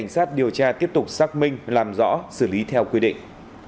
sử lý theo quy định